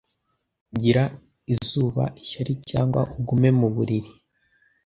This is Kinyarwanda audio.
gira izuba ishyari cyangwa ugume mu buriri